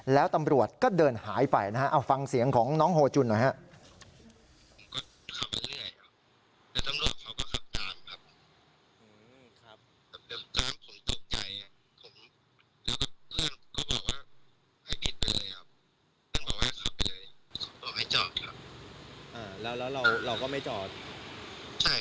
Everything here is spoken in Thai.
แล้วตำรวจก็เดินหายไปนะฮะเอาฟังเสียงของน้องโฮจุนหน่อยฮะ